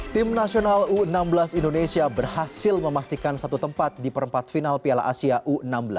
tim nasional u enam belas indonesia berhasil memastikan satu tempat di perempat final piala asia u enam belas